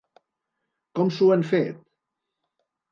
Com s’ho han fet?